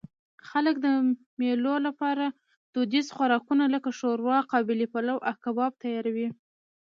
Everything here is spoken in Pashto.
خلک د مېلو له پاره دودیز خوراکونه؛ لکه ښوروا، قابلي پلو، او کباب تیاروي.